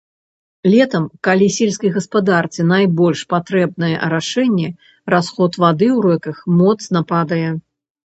Летам, калі сельскай гаспадарцы найбольш патрэбнае арашэнне, расход вады ў рэках моцна падае.